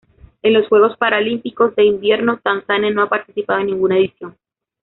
En los Juegos Paralímpicos de Invierno Tanzania no ha participado en ninguna edición.